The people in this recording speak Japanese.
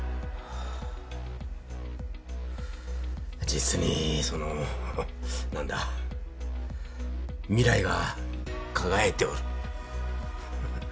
実にその何だ未来が輝いておるははっ。